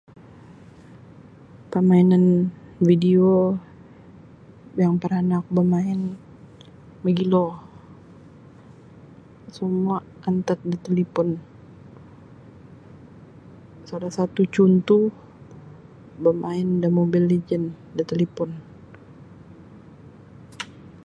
Pamainan video yang paranah oku bamain mogilo semua antad da talipon salah satu cuntuh bamain da mobil lejen da talipon.